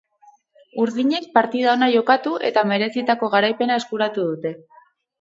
Urdinek partida ona jokatu eta merezitako garaipena eskuratu dute.